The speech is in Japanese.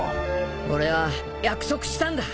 俺は約束したんだ！